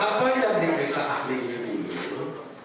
apa yang dipisah ahli ini dulu